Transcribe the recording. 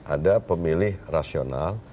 ada pemilih rasional